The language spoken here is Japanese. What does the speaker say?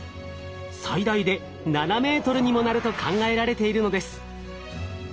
最大で７ｍにもなると考えられているのです。